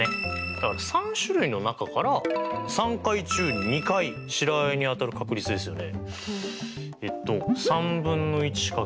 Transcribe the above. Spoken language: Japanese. だから３種類の中から３回中２回白あえに当たる確率ですよね。